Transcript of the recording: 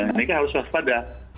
ini kan harus puas pada